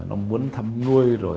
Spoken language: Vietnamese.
nó muốn thăm nuôi rồi